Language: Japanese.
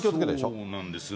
そうなんですよ。